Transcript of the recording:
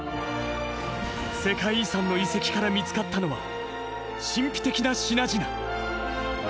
世界遺産の遺跡から見つかったのは、神秘的な品々。